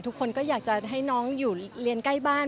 ทุกคนก็อยากจะให้น้องอยู่เรียนใกล้บ้าน